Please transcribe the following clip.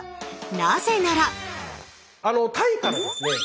なぜならタイからですね